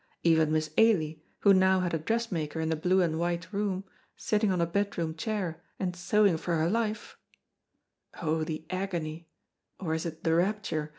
Even Miss Ailie, who now had a dressmaker in the blue and white room, sitting on a bedroom chair and sewing for her life (oh, the agony or is it the rapture?